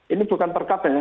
ini bukan perkat ya